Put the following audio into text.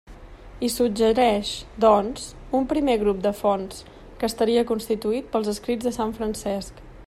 Hi suggereix, doncs, un primer grup de fonts, que estaria constituït pels escrits de sant Francesc.